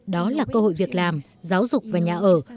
đó là cơ hội việc làm giáo dục và nhà ở